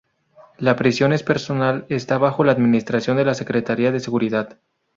La prisión es personal está bajo la administración de la Secretaría de Seguridad.